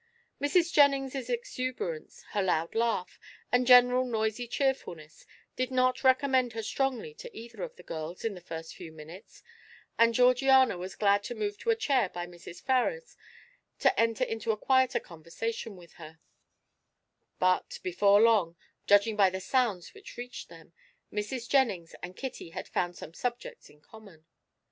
Mrs. Jennings's exuberance, her loud laugh and general noisy cheerfulness did not recommend her strongly to either of the girls in the first few minutes, and Georgiana was glad to move to a chair by Mrs. Ferrars, to enter into a quieter conversation with her; but before long, judging by the sounds which reached them, Mrs. Jennings and Kitty had found some subjects in common.